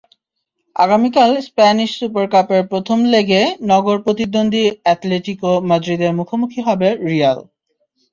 আগামীকাল Spanish super কাপের প্রথম লেগে নগরপ্রতিদ্বন্দ্বী অ্যাটলেটিকো মাদ্রিদের মুখোমুখি হবে রিয়াল।